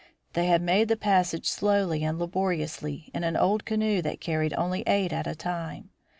They had made the passage slowly and laboriously in an old canoe that carried only eight at a time.